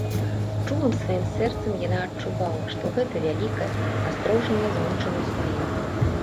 Чулым сваім сэрцам яна адчувала, што гэта вялікая астрожная змучанасць у ім.